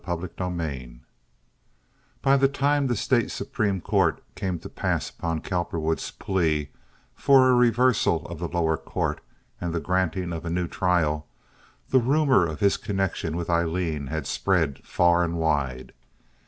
Chapter XLVIII By the time the State Supreme Court came to pass upon Cowperwood's plea for a reversal of the lower court and the granting of a new trial, the rumor of his connection with Aileen had spread far and wide.